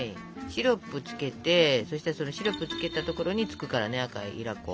シロップつけてそしたらそのシロップつけたところにつくからね赤いいら粉。